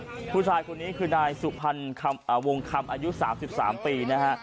ผู้ชายคนนี้คือนายสุพรรณวงคำอายุ๓๓ปีนะฮะ